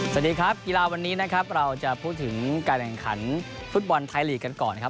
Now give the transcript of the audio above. สวัสดีครับกีฬาวันนี้นะครับเราจะพูดถึงการแข่งขันฟุตบอลไทยลีกกันก่อนครับ